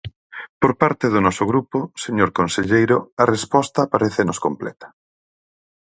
Por parte do noso grupo, señor conselleiro, a resposta parécenos completa.